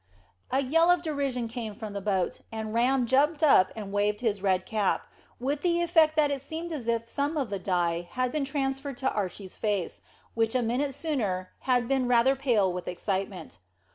A yell of derision came from the boat, and Ram jumped up and waved his red cap, with the effect that it seemed as if some of the dye had been transferred to Archy's face, which a minute sooner had been rather pale with excitement.